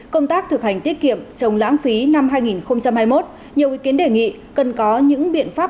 công tác thực hành tiết kiệm chống lãng phí năm hai nghìn hai mươi một nhiều ý kiến đề nghị cần có những biện pháp